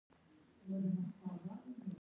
شنډه توت یوه لویه او زړه ونه ولاړه وه.